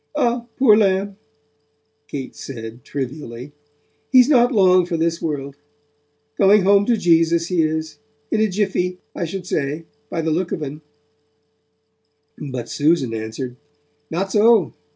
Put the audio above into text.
'Ah, poor lamb,' Kate said trivially, 'he's not long for this world; going home to Jesus, he is, in a jiffy, I should say by the look of 'un.' But Susan answered: 'Not so.